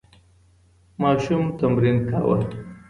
ماشوم تمرین کاوه.